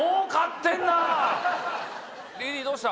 リリーどうした？